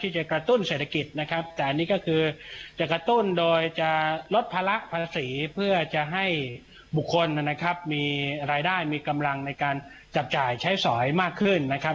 จะกระตุ้นโดยจะลดภาระภาษีเพื่อจะให้มีรายได้มีกำลังในการจับจ่ายใช้สอยมากขึ้นนะครับ